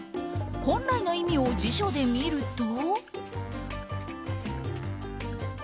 本来の意味を辞書で見ると。